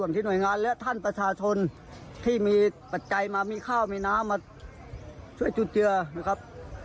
ที่หน่วยงานและท่านประชาชนที่มีปัจจัยมามีข้าวมีน้ำมาช่วยจุดเจือนะครับ